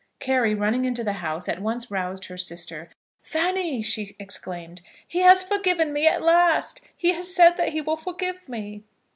Carry, running into the house, at once roused her sister. "Fanny," she exclaimed, "he has forgiven me at last; he has said that he will forgive me."